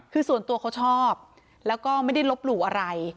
คือส่วนตัวเขาชอบแล้วก็ไม่ได้ลบหลู่อะไร